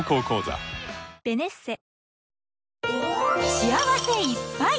幸せいっぱい！